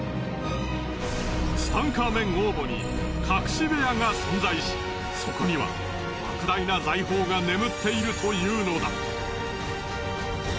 ツタンカーメン王墓に隠し部屋が存在しそこには莫大な財宝が眠っているというのだ。